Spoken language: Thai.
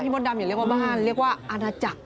บ้านพี่มดดำอย่าเรียกว่าบ้านเรียกว่าอนาจักร